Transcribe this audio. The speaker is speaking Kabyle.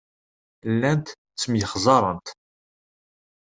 Llant ttemyexzarent.